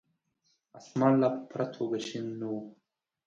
اسمان لا په پوره توګه شين نه وو.